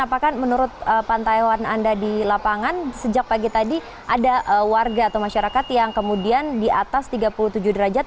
apakah menurut pantauan anda di lapangan sejak pagi tadi ada warga atau masyarakat yang kemudian di atas tiga puluh tujuh derajat